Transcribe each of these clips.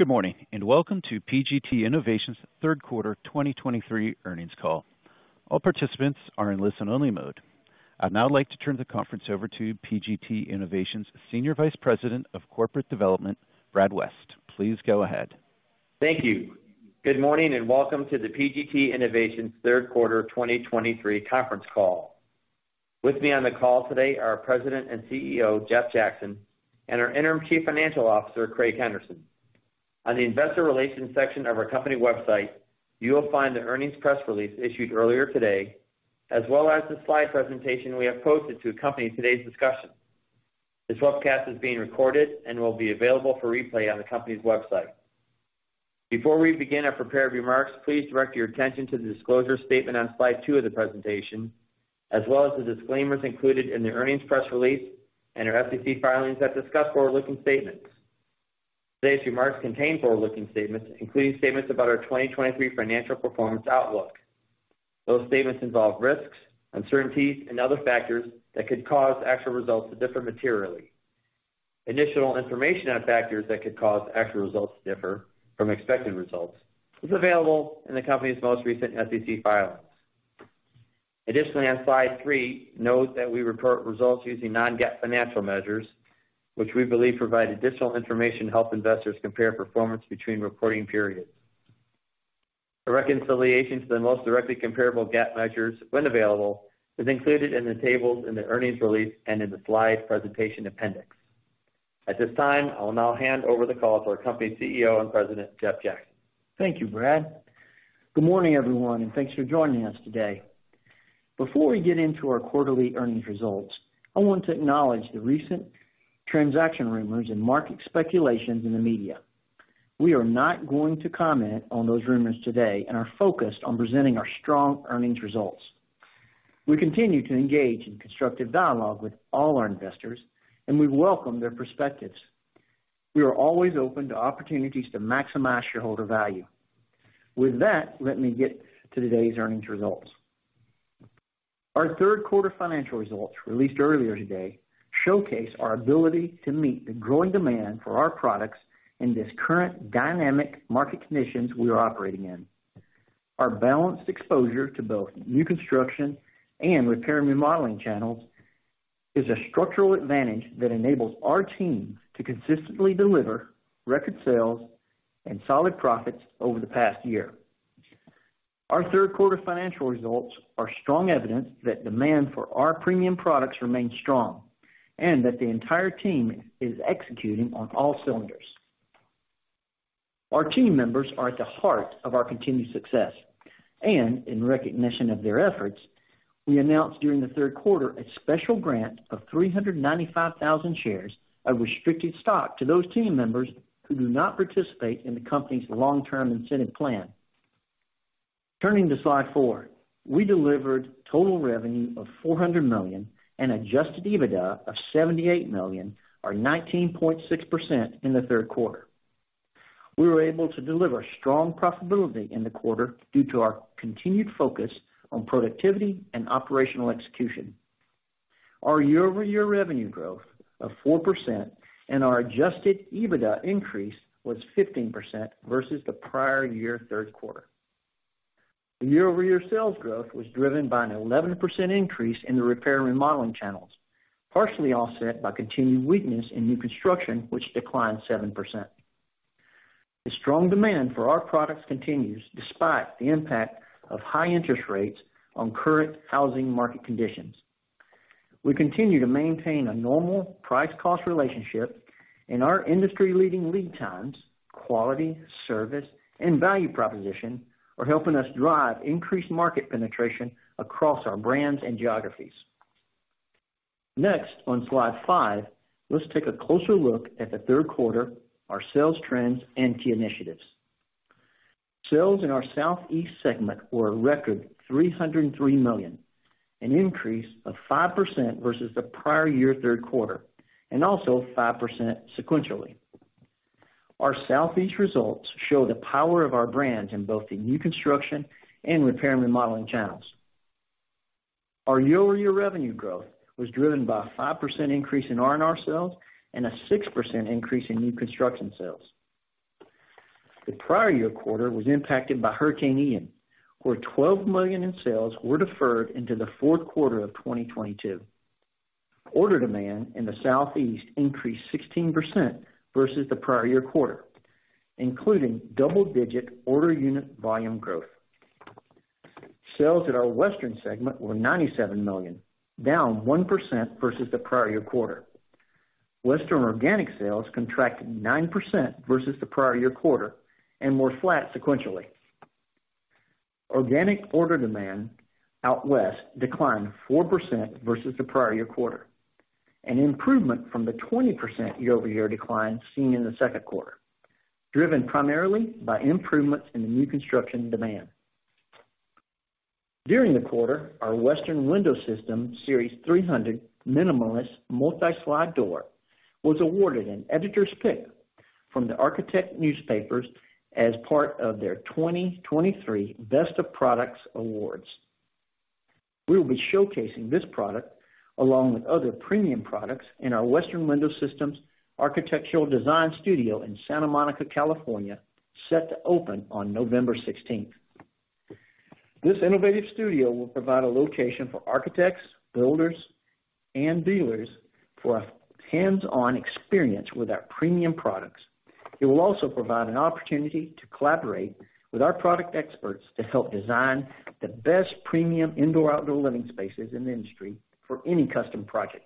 Good morning, and welcome to PGT Innovations' third quarter 2023 earnings call. All participants are in listen-only mode. I'd now like to turn the conference over to PGT Innovations Senior Vice President of Corporate Development, Brad West. Please go ahead. Thank you. Good morning, and welcome to the PGT Innovations third quarter 2023 conference call. With me on the call today are our President and CEO, Jeff Jackson, and our Interim Chief Financial Officer, Craig Henderson. On the investor relations section of our company website, you will find the earnings press release issued earlier today, as well as the slide presentation we have posted to accompany today's discussion. This webcast is being recorded and will be available for replay on the company's website. Before we begin our prepared remarks, please direct your attention to the disclosure statement on slide 2 of the presentation, as well as the disclaimers included in the earnings press release and our SEC filings that discuss forward-looking statements. Today's remarks contain forward-looking statements, including statements about our 2023 financial performance outlook. Those statements involve risks, uncertainties, and other factors that could cause actual results to differ materially. Additional information on factors that could cause actual results to differ from expected results is available in the company's most recent SEC filings. Additionally, on slide 3, note that we report results using non-GAAP financial measures, which we believe provide additional information to help investors compare performance between reporting periods. A reconciliation to the most directly comparable GAAP measures, when available, is included in the tables in the earnings release and in the slide presentation appendix. At this time, I will now hand over the call to our company's CEO and President, Jeff Jackson. Thank you, Brad. Good morning, everyone, and thanks for joining us today. Before we get into our quarterly earnings results, I want to acknowledge the recent transaction rumors and market speculations in the media. We are not going to comment on those rumors today and are focused on presenting our strong earnings results. We continue to engage in constructive dialogue with all our investors, and we welcome their perspectives. We are always open to opportunities to maximize shareholder value. With that, let me get to today's earnings results. Our third quarter financial results, released earlier today, showcase our ability to meet the growing demand for our products in this current dynamic market conditions we are operating in. Our balanced exposure to both new construction and repair and remodeling channels is a structural advantage that enables our teams to consistently deliver record sales and solid profits over the past year. Our third quarter financial results are strong evidence that demand for our premium products remains strong and that the entire team is executing on all cylinders. Our team members are at the heart of our continued success, and in recognition of their efforts, we announced during the third quarter a special grant of 395,000 shares of restricted stock to those team members who do not participate in the company's long-term incentive plan. Turning to slide four. We delivered total revenue of $400 million and Adjusted EBITDA of $78 million, or 19.6% in the third quarter. We were able to deliver strong profitability in the quarter due to our continued focus on productivity and operational execution. Our year-over-year revenue growth of 4% and our Adjusted EBITDA increase was 15% versus the prior year third quarter. The year-over-year sales growth was driven by an 11% increase in the repair and remodeling channels, partially offset by continuing weakness in new construction, which declined 7%. The strong demand for our products continues despite the impact of high interest rates on current housing market conditions. We continue to maintain a normal price-cost relationship and our industry-leading lead times, quality, service, and value proposition are helping us drive increased market penetration across our brands and geographies. Next, on slide five, let's take a closer look at the third quarter, our sales trends, and key initiatives. Sales in our Southeast segment were a record $303 million, an increase of 5% versus the prior year third quarter, and also 5% sequentially. Our Southeast results show the power of our brands in both the new construction and repair and remodeling channels. Our year-over-year revenue growth was driven by a 5% increase in R&R sales and a 6% increase in new construction sales. The prior year quarter was impacted by Hurricane Ian, where $12 million in sales were deferred into the fourth quarter of 2022. Order demand in the Southeast increased 16% versus the prior year quarter, including double-digit order unit volume growth. Sales at our Western segment were $97 million, down 1% versus the prior year quarter. Western organic sales contracted 9% versus the prior year quarter and were flat sequentially. Organic order demand out West declined 4% versus the prior year quarter, an improvement from the 20% year-over-year decline seen in the second quarter, driven primarily by improvements in the new construction demand. During the quarter, our Western Window Systems Series 300 minimalist multi-slide door was awarded an Editor's Pick from The Architect's Newspaper as part of their 2023 Best of Products awards. We will be showcasing this product, along with other premium products, in our Western Window Systems Architectural Design Studio in Santa Monica, California, set to open on November sixteenth. This innovative studio will provide a location for architects, builders, and dealers for a hands-on experience with our premium products. It will also provide an opportunity to collaborate with our product experts to help design the best premium indoor-outdoor living spaces in the industry for any custom project.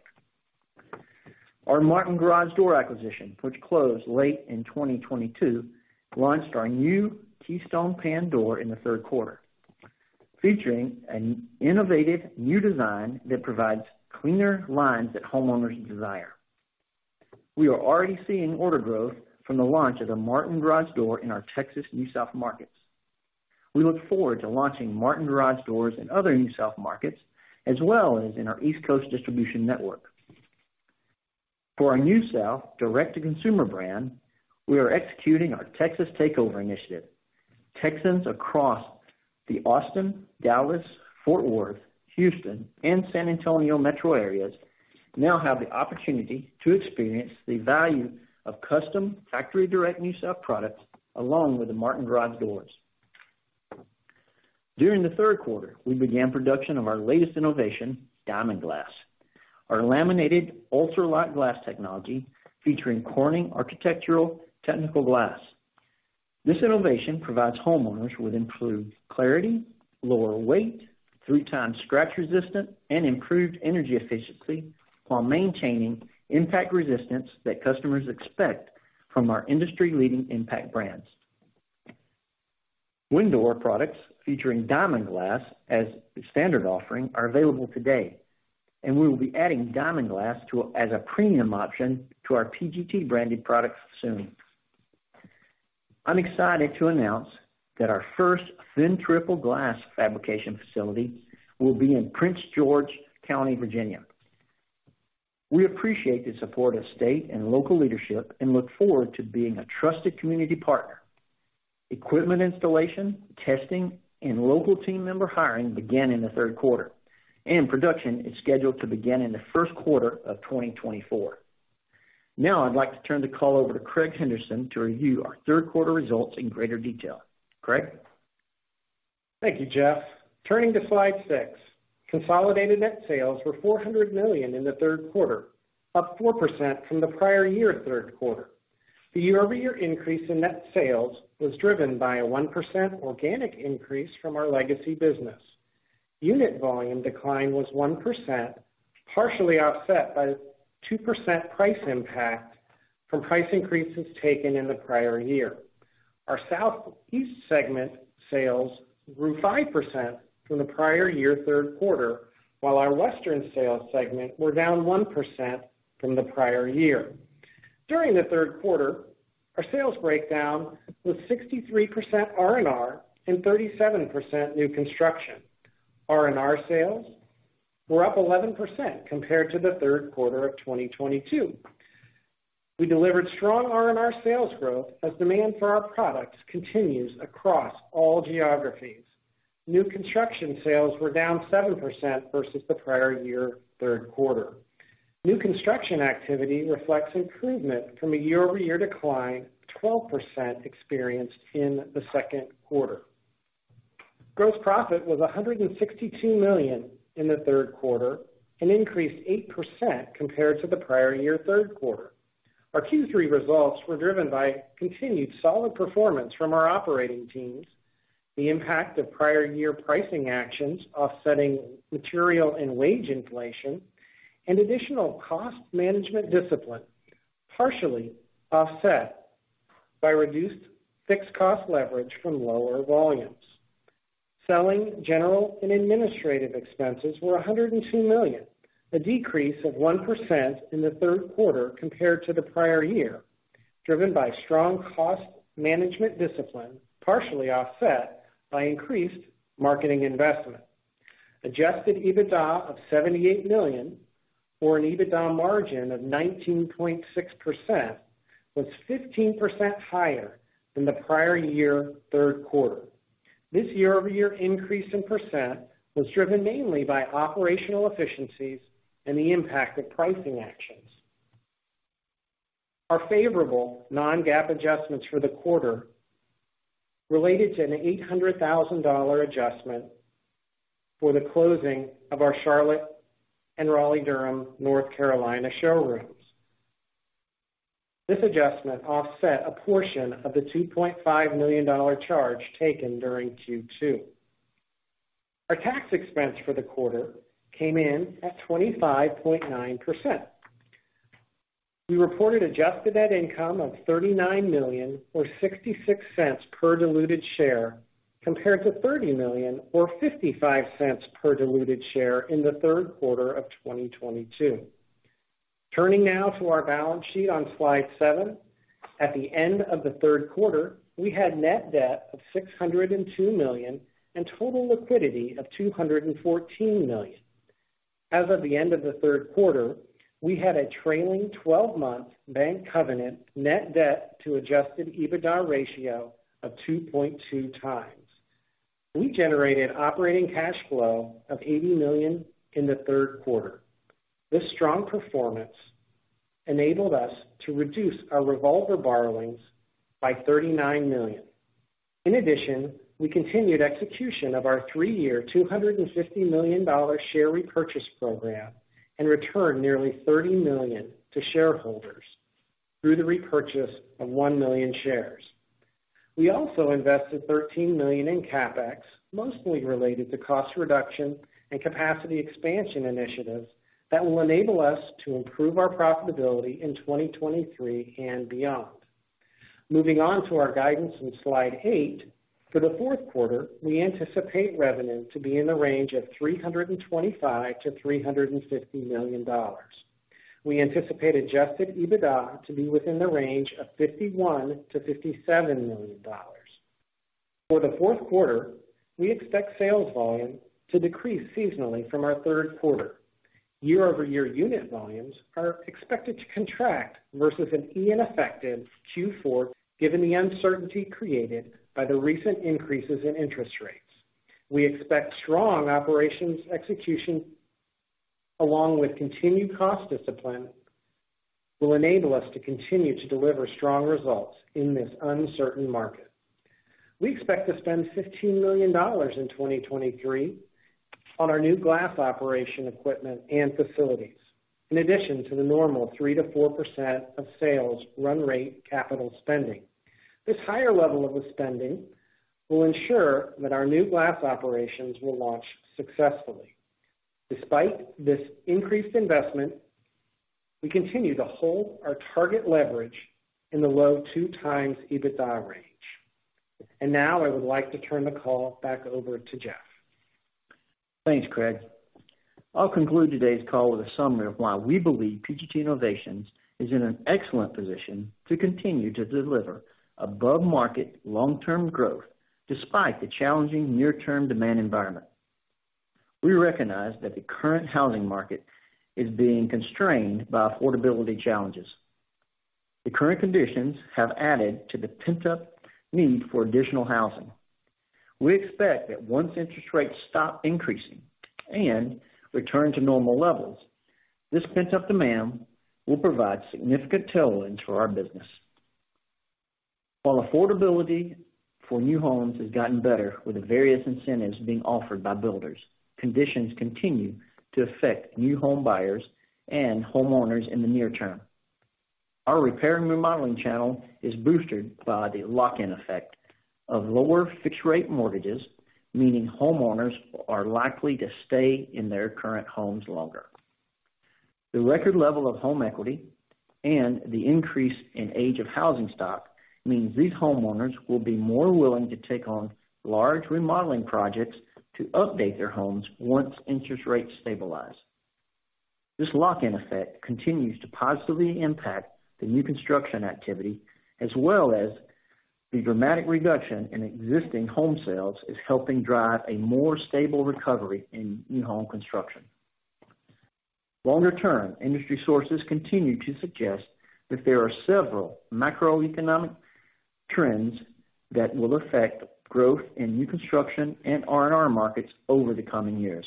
Our Martin Garage Door acquisition, which closed late in 2022, launched our new Keystone Pan Door in the third quarter, featuring an innovative new design that provides cleaner lines that homeowners desire. We are already seeing order growth from the launch of the Martin Garage Door in our Texas New South markets. We look forward to launching Martin Garage Doors in other New South markets, as well as in our East Coast distribution network. For our New South direct-to-consumer brand, we are executing our Texas Takeover initiative. Texans across the Austin, Dallas, Fort Worth, Houston, and San Antonio metro areas now have the opportunity to experience the value of custom, factory direct New South products, along with the Martin Garage Doors. During the third quarter, we began production of our latest innovation, Diamond Glass, our laminated ultra-light glass technology featuring Corning Architectural Technical Glass. This innovation provides homeowners with improved clarity, lower weight, 3x scratch resistant, and improved energy efficiency, while maintaining impact resistance that customers expect from our industry-leading impact brands. Window products featuring Diamond Glass as the standard offering are available today, and we will be adding Diamond Glass as a premium option to our PGT-branded products soon. I'm excited to announce that our first Thin Triple Glass fabrication facility will be in Prince George County, Virginia. We appreciate the support of state and local leadership and look forward to being a trusted community partner. Equipment installation, testing, and local team member hiring began in the third quarter, and production is scheduled to begin in the first quarter of 2024. Now, I'd like to turn the call over to Craig Henderson to review our third quarter results in greater detail. Craig? Thank you, Jeff. Turning to slide six. Consolidated net sales were $400 million in the third quarter, up 4% from the prior year third quarter. The year-over-year increase in net sales was driven by a 1% organic increase from our legacy business. Unit volume decline was 1%, partially offset by 2% price impact from price increases taken in the prior year. Our Southeast segment sales grew 5% from the prior year third quarter, while our Western sales segment were down 1% from the prior year. During the third quarter, our sales breakdown was 63% R&R and 37% new construction. R&R sales were up 11% compared to the third quarter of 2022. We delivered strong R&R sales growth as demand for our products continues across all geographies. New construction sales were down 7% versus the prior year third quarter. New construction activity reflects improvement from a year-over-year decline of 12% experienced in the second quarter. Gross profit was $162 million in the third quarter and increased 8% compared to the prior year third quarter. Our Q3 results were driven by continued solid performance from our operating teams, the impact of prior year pricing actions offsetting material and wage inflation, and additional cost management discipline, partially offset by reduced fixed cost leverage from lower volumes. Selling, general and administrative expenses were $102 million, a decrease of 1% in the third quarter compared to the prior year, driven by strong cost management discipline, partially offset by increased marketing investment. Adjusted EBITDA of $78 million or an EBITDA margin of 19.6%, was 15% higher than the prior year third quarter. This year-over-year increase in % was driven mainly by operational efficiencies and the impact of pricing actions. Our favorable non-GAAP adjustments for the quarter related to an $800,000 adjustment for the closing of our Charlotte and Raleigh-Durham, North Carolina, showrooms. This adjustment offset a portion of the $2.5 million charge taken during Q2. Our tax expense for the quarter came in at 25.9%. We reported adjusted net income of $39 million, or $0.66 per diluted share, compared to $30 million or $0.55 per diluted share in the third quarter of 2022. Turning now to our balance sheet on slide seven. At the end of the third quarter, we had net debt of $602 million and total liquidity of $214 million. As of the end of the third quarter, we had a trailing twelve-month bank covenant net debt to Adjusted EBITDA ratio of 2.2x. We generated operating cash flow of $80 million in the third quarter. This strong performance enabled us to reduce our revolver borrowings by $39 million. In addition, we continued execution of our three-year, $250 million share repurchase program and returned nearly $30 million to shareholders through the repurchase of 1 million shares. We also invested $13 million in CapEx, mostly related to cost reduction and capacity expansion initiatives that will enable us to improve our profitability in 2023 and beyond. Moving on to our guidance on slide eight. For the fourth quarter, we anticipate revenue to be in the range of $325 million-$350 million. We anticipate Adjusted EBITDA to be within the range of $51 million-$57 million. For the fourth quarter, we expect sales volume to decrease seasonally from our third quarter. Year-over-year unit volumes are expected to contract versus an easier Q4, given the uncertainty created by the recent increases in interest rates. We expect strong operations execution, along with continued cost discipline, will enable us to continue to deliver strong results in this uncertain market. We expect to spend $15 million in 2023 on our new glass operation equipment and facilities, in addition to the normal 3%-4% of sales run rate capital spending. This higher level of spending will ensure that our new glass operations will launch successfully. Despite this increased investment, we continue to hold our target leverage in the low 2x EBITDA range. Now, I would like to turn the call back over to Jeff. Thanks, Craig. I'll conclude today's call with a summary of why we believe PGT Innovations is in an excellent position to continue to deliver above-market long-term growth despite the challenging near-term demand environment. We recognize that the current housing market is being constrained by affordability challenges. The current conditions have added to the pent-up need for additional housing. We expect that once interest rates stop increasing and return to normal levels, this pent-up demand will provide significant tailwinds for our business. While affordability for new homes has gotten better with the various incentives being offered by builders, conditions continue to affect new home buyers and homeowners in the near term. Our repair and remodeling channel is boosted by the lock-in effect of lower fixed rate mortgages, meaning homeowners are likely to stay in their current homes longer. The record level of home equity and the increase in age of housing stock means these homeowners will be more willing to take on large remodeling projects to update their homes once interest rates stabilize. This lock-in effect continues to positively impact the new construction activity, as well as the dramatic reduction in existing home sales, is helping drive a more stable recovery in new home construction. Longer-term, industry sources continue to suggest that there are several macroeconomic trends that will affect growth in new construction and R&R markets over the coming years.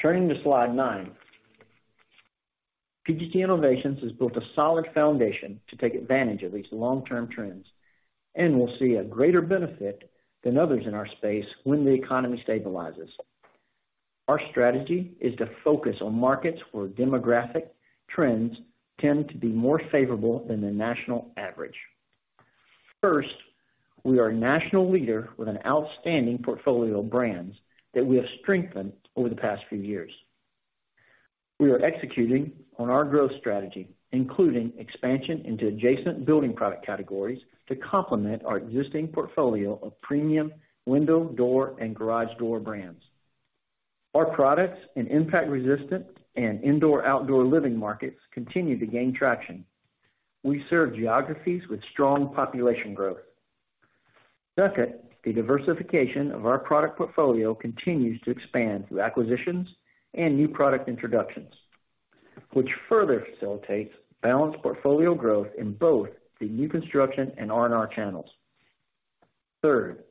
Turning to slide nine, PGT Innovations has built a solid foundation to take advantage of these long-term trends and will see a greater benefit than others in our space when the economy stabilizes. Our strategy is to focus on markets where demographic trends tend to be more favorable than the national average. First, we are a national leader with an outstanding portfolio of brands that we have strengthened over the past few years. We are executing on our growth strategy, including expansion into adjacent building product categories, to complement our existing portfolio of premium window, door, and garage door brands. Our products in impact-resistant and indoor-outdoor living markets continue to gain traction. We serve geographies with strong population growth. Second, the diversification of our product portfolio continues to expand through acquisitions and new product introductions, which further facilitates balanced portfolio growth in both the new construction and R&R channels. Third,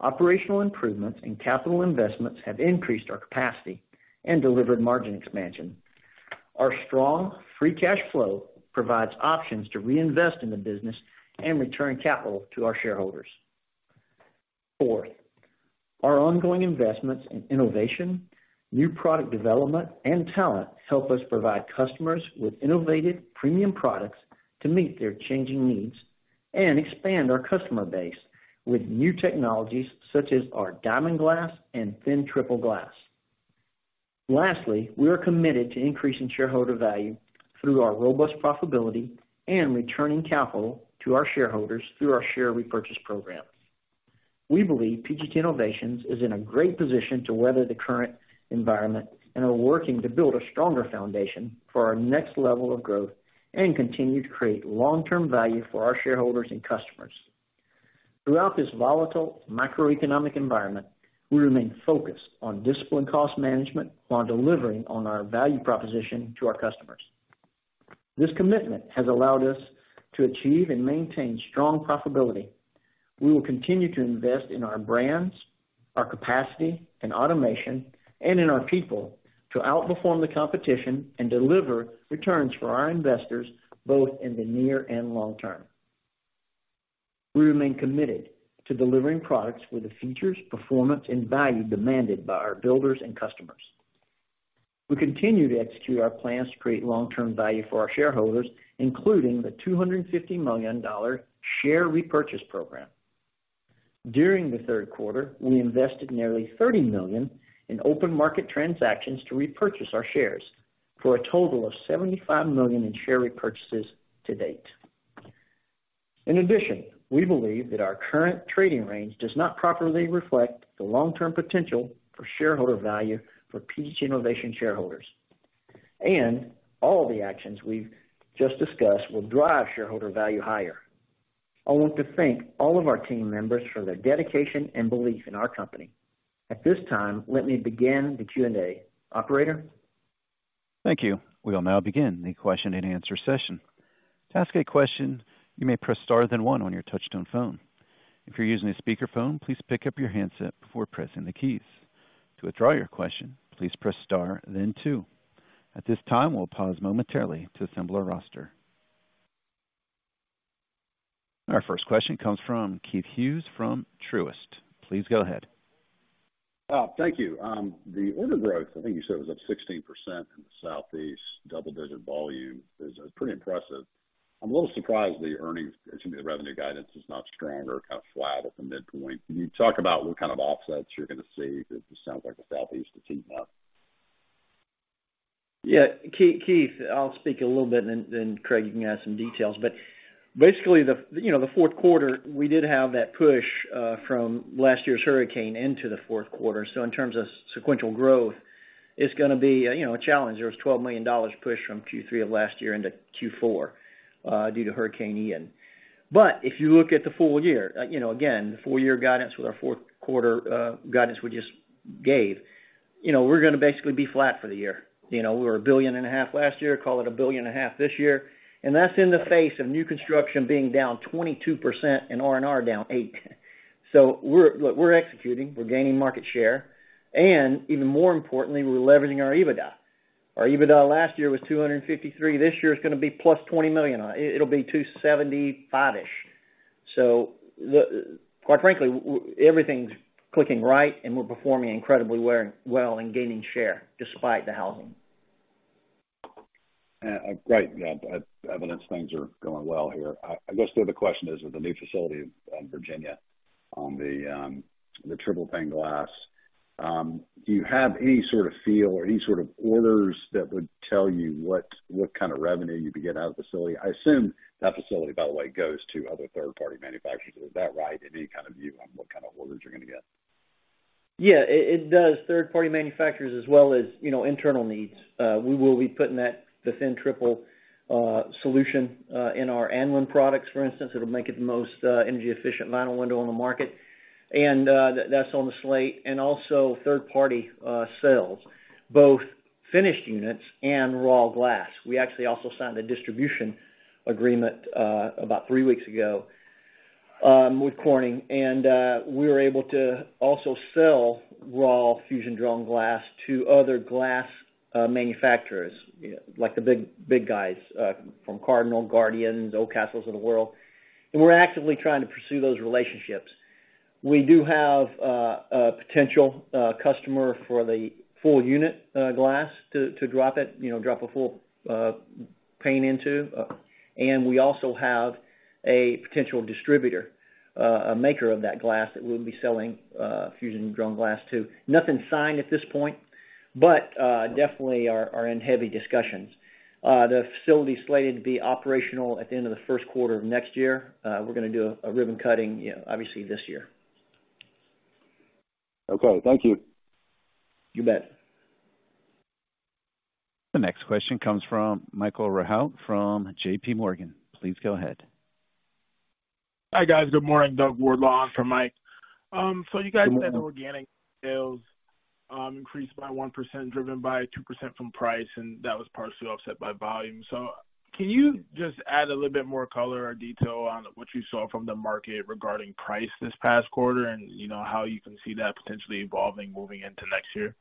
operational improvements in capital investments have increased our capacity and delivered margin expansion. Our strong free cash flow provides options to reinvest in the business and return capital to our shareholders. Fourth, our ongoing investments in innovation, new product development, and talent help us provide customers with innovative premium products to meet their changing needs and expand our customer base with new technologies such as our Diamond Glass and Thin Triple Glass. Lastly, we are committed to increasing shareholder value through our robust profitability and returning capital to our shareholders through our share repurchase program. We believe PGT Innovations is in a great position to weather the current environment and are working to build a stronger foundation for our next level of growth and continue to create long-term value for our shareholders and customers.... Throughout this volatile macroeconomic environment, we remain focused on disciplined cost management while delivering on our value proposition to our customers. This commitment has allowed us to achieve and maintain strong profitability. We will continue to invest in our brands, our capacity and automation, and in our people to outperform the competition and deliver returns for our investors, both in the near and long term. We remain committed to delivering products with the features, performance, and value demanded by our builders and customers. We continue to execute our plans to create long-term value for our shareholders, including the $250 million share repurchase program. During the third quarter, we invested nearly $30 million in open market transactions to repurchase our shares, for a total of $75 million in share repurchases to date. In addition, we believe that our current trading range does not properly reflect the long-term potential for shareholder value for PGT Innovations shareholders, and all the actions we've just discussed will drive shareholder value higher. I want to thank all of our team members for their dedication and belief in our company. At this time, let me begin the Q&A. Operator? Thank you. We will now begin the question-and-answer session. To ask a question, you may press star, then one on your touchtone phone. If you're using a speakerphone, please pick up your handset before pressing the keys. To withdraw your question, please press star then two. At this time, we'll pause momentarily to assemble our roster. Our first question comes from Keith Hughes from Truist. Please go ahead. Thank you. The order growth, I think you said was up 16% in the Southeast, double-digit volume is pretty impressive. I'm a little surprised the earnings, excuse me, the revenue guidance is not stronger, kind of flat at the midpoint. Can you talk about what kind of offsets you're going to see? Because it sounds like the Southeast is heating up. Yeah, Keith, I'll speak a little bit, and then, Craig, you can add some details. But basically, you know, the fourth quarter, we did have that push from last year's hurricane into the fourth quarter. So in terms of sequential growth, it's going to be, you know, a challenge. There was $12 million pushed from Q3 of last year into Q4 due to Hurricane Ian. But if you look at the full year, you know, again, the full year guidance with our fourth quarter guidance we just gave, you know, we're going to basically be flat for the year. You know, we were $1.5 billion last year, call it $1.5 billion this year, and that's in the face of new construction being down 22% and R&R down 8%. So we're, look, we're executing, we're gaining market share, and even more importantly, we're leveraging our EBITDA. Our EBITDA last year was $253 million. This year, it's going to be +$20 million. It'll be 275-ish. So the... Quite frankly, everything's clicking right, and we're performing incredibly well and gaining share despite the housing. Great. Yeah, that's evidence things are going well here. I, I guess the other question is, with the new facility in Virginia, on the triple pane glass, do you have any sort of feel or any sort of orders that would tell you what, what kind of revenue you could get out of the facility? I assume that facility, by the way, goes to other third-party manufacturers. Is that right? Any kind of view on what kind of orders you're going to get? Yeah, it, it does. Third-party manufacturers as well as, you know, internal needs. We will be putting that, the Thin Triple solution, in our Anlin products, for instance. It'll make it the most, energy-efficient vinyl window on the market. And, that's on the slate. And also, third-party, sales, both finished units and raw glass. We actually also signed a distribution agreement, about three weeks ago, with Corning, and, we were able to also sell raw fusion-formed glass to other glass, manufacturers, you know, like the big, big guys, from Cardinal, Guardian, Oldcastle of the world. And we're actively trying to pursue those relationships. We do have, a potential, customer for the full unit, glass to, to drop it, you know, drop a full, pane into. And we also have a potential distributor, a maker of that glass that we'll be selling, fusion-formed glass to. Nothing signed at this point, but definitely are in heavy discussions. The facility is slated to be operational at the end of the first quarter of next year. We're going to do a ribbon cutting, you know, obviously this year. Okay, thank you. You bet. The next question comes from Michael Rehaut from JPMorgan. Please go ahead. Hi, guys. Good morning. Doug Wardlaw in for Mike. You guys said organic sales increased by 1%, driven by 2% from price, and that was partially offset by volume. Can you just add a little bit more color or detail on what you saw from the market regarding price this past quarter, and you know, how you can see that potentially evolving moving into next year?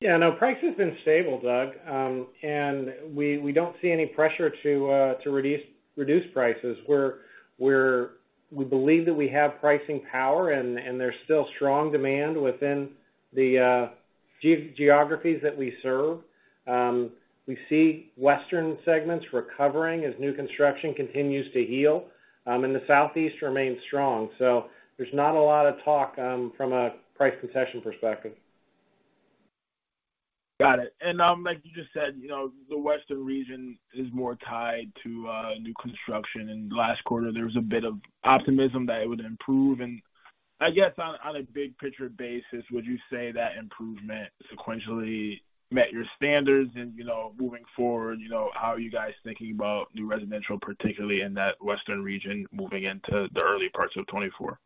Yeah, no, price has been stable, Doug. We don't see any pressure to reduce prices. We believe that we have pricing power and there's still strong demand within the geographies that we serve. We see Western segments recovering as new construction continues to heal, and the Southeast remains strong. There's not a lot of talk from a price concession perspective. Got it. And, like you just said, you know, the Western region is more tied to new construction, and last quarter there was a bit of optimism that it would improve and I guess on a big picture basis, would you say that improvement sequentially met your standards? And, you know, moving forward, you know, how are you guys thinking about new residential, particularly in that Western region, moving into the early parts of 2024?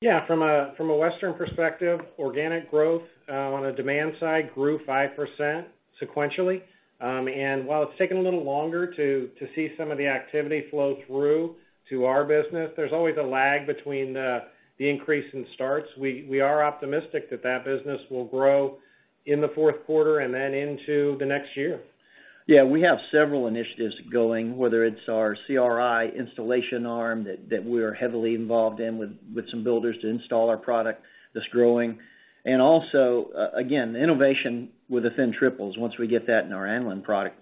Yeah, from a Western perspective, organic growth on a demand side grew 5% sequentially. And while it's taken a little longer to see some of the activity flow through to our business, there's always a lag between the increase in starts. We are optimistic that business will grow in the fourth quarter and then into the next year. Yeah, we have several initiatives going, whether it's our CRI installation arm that we are heavily involved in with some builders to install our product, that's growing. And also, again, innovation with the thin triples. Once we get that in our Anlin product,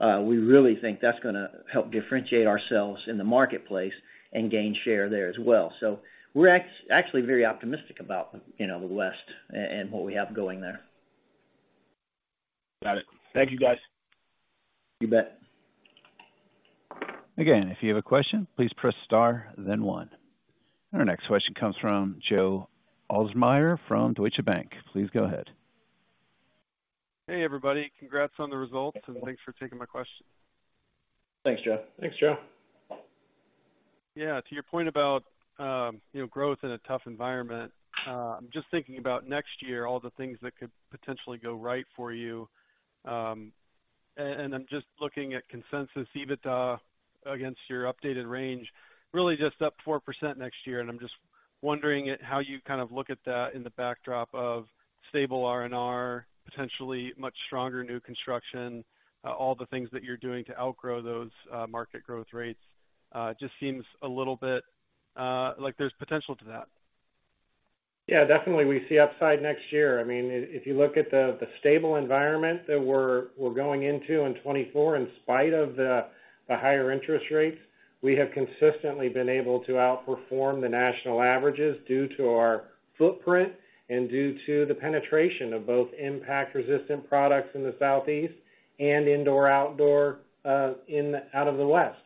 we really think that's gonna help differentiate ourselves in the marketplace and gain share there as well. So we're actually very optimistic about, you know, the West and what we have going there. Got it. Thank you, guys. You bet. Again, if you have a question, please press star, then one. Our next question comes from Joe Ahlersmeyer from Deutsche Bank. Please go ahead. Hey, everybody. Congrats on the results, and thanks for taking my question. Thanks, Joe. Thanks, Joe. Yeah, to your point about, you know, growth in a tough environment, I'm just thinking about next year, all the things that could potentially go right for you. And, and I'm just looking at consensus EBITDA against your updated range, really just up 4% next year, and I'm just wondering at how you kind of look at that in the backdrop of stable R&R, potentially much stronger new construction, all the things that you're doing to outgrow those, market growth rates, just seems a little bit, like there's potential to that. Yeah, definitely, we see upside next year. I mean, if you look at the stable environment that we're going into in 2024, in spite of the higher interest rates, we have consistently been able to outperform the national averages due to our footprint and due to the penetration of both impact-resistant products in the Southeast and indoor-outdoor in the West.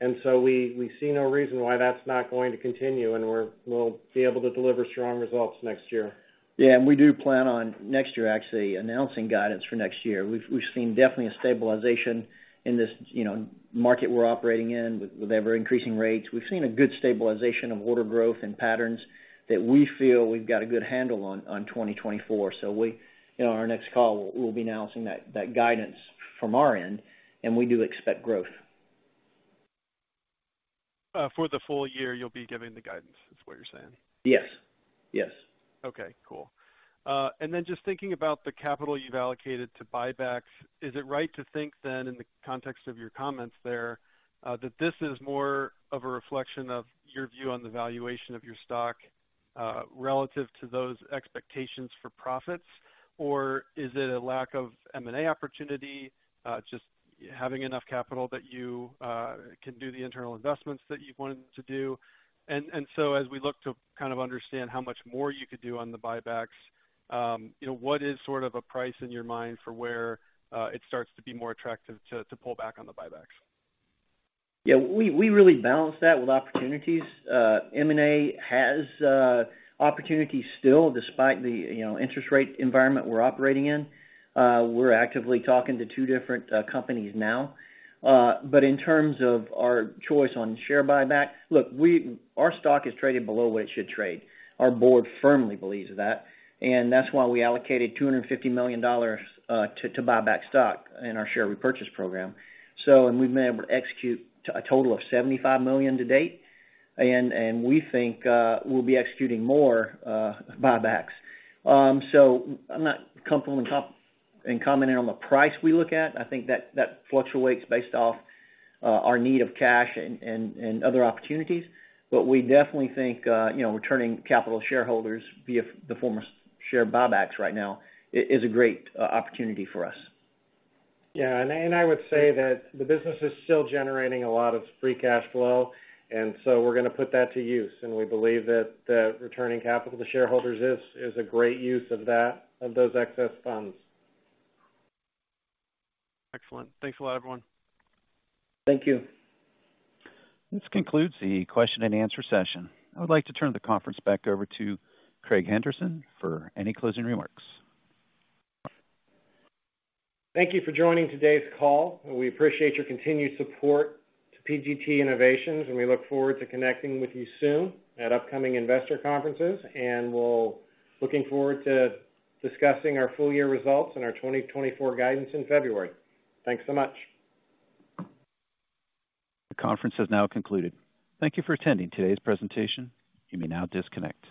And so we see no reason why that's not going to continue, and we'll be able to deliver strong results next year. Yeah, and we do plan on next year, actually, announcing guidance for next year. We've, we've seen definitely a stabilization in this, you know, market we're operating in with, with ever-increasing rates. We've seen a good stabilization of order growth and patterns that we feel we've got a good handle on, on 2024. So we... You know, our next call, we'll, we'll be announcing that, that guidance from our end, and we do expect growth. For the full year, you'll be giving the guidance, is what you're saying? Yes. Yes. Okay, cool. And then just thinking about the capital you've allocated to buybacks, is it right to think then, in the context of your comments there, that this is more of a reflection of your view on the valuation of your stock, relative to those expectations for profits? Or is it a lack of M&A opportunity, just having enough capital that you can do the internal investments that you've wanted to do? And so as we look to kind of understand how much more you could do on the buybacks, you know, what is sort of a price in your mind for where it starts to be more attractive to pull back on the buybacks? Yeah, we really balance that with opportunities. M&A has opportunities still, despite the, you know, interest rate environment we're operating in. We're actively talking to two different companies now. But in terms of our choice on share buyback, look, we, our stock is traded below what it should trade. Our board firmly believes that, and that's why we allocated $250 million to buy back stock in our share repurchase program. So, we've been able to execute a total of $75 million to date, and we think we'll be executing more buybacks. So I'm not comfortable commenting on the price we look at. I think that fluctuates based off our need of cash and other opportunities. We definitely think, you know, returning capital to shareholders via the form of share buybacks right now is a great opportunity for us. Yeah, and I would say that the business is still generating a lot of free cash flow, and so we're gonna put that to use, and we believe that the returning capital to shareholders is a great use of those excess funds. Excellent. Thanks a lot, everyone. Thank you. This concludes the question and answer session. I would like to turn the conference back over to Craig Henderson for any closing remarks. Thank you for joining today's call. We appreciate your continued support to PGT Innovations, and we look forward to connecting with you soon at upcoming investor conferences, and we'll looking forward to discussing our full year results and our 2024 guidance in February. Thanks so much. The conference has now concluded. Thank you for attending today's presentation. You may now disconnect.